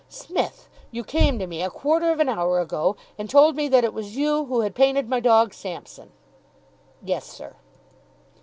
"Smith, you came to me a quarter of an hour ago and told me that it was you who had painted my dog Sampson." "Yes, sir."